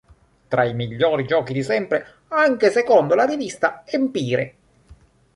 Tra i migliori giochi di sempre anche secondo la rivista "Empire".